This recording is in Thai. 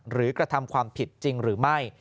กระทำความผิดจริงหรือไม่